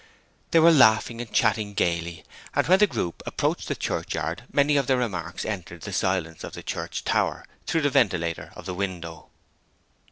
They were laughing and chatting gaily, and when the group approached the churchyard many of their remarks entered the silence of the church tower through the ventilator of the window.